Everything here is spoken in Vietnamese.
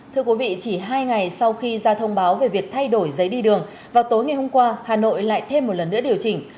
thưa quý vị chỉ hai ngày sau khi ra thông báo về việc thay đổi giấy đi đường vào tối ngày hôm qua hà nội lại thêm một lần nữa điều chỉnh